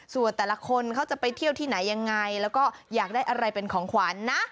ส่วนแต่ละคนเขาจะไปเที่ยวที่ไหนยังไงแล้วก็อยากได้อะไรเป็นของขวัญนะ